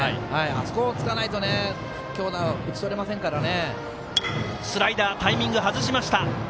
あそこをつかないと打ち取れませんからね。